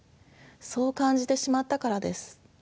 そう感じてしまったからです。